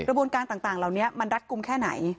กระบวนการต่างเหล่านี้มันรัดกลุ่มแค่ไหน